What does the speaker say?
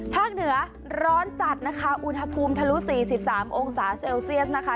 เหนือร้อนจัดนะคะอุณหภูมิทะลุ๔๓องศาเซลเซียสนะคะ